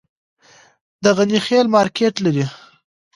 د غني خیل مارکیټ لري